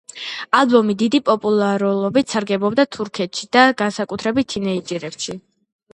ალბომი დიდი პოპულარობით სარგებლობდა თურქეთში და განსაკუთრებით თინეიჯერებში.